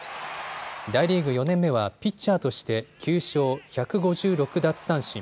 大リーグ４年目はピッチャーとして９勝、１５６奪三振。